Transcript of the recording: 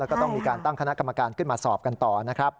แล้วก็ต้องมีการตั้งคณะกรรมการขึ้นมาสอบกันต่อนะครับ